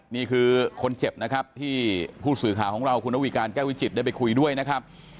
นี่คือคนเจ็บนะครับที่ผู้สื่อข่าวของเราคุณระวีการแก้ววิจิตได้ไปคุยด้วยนะครับ